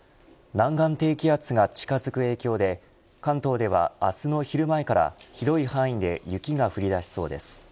南岸低気圧が近づく影響で関東では明日の昼前から広い範囲で雪が降り出しそうです。